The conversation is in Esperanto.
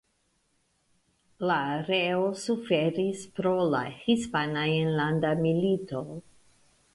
La areo suferis pro la Hispana Enlanda Milito.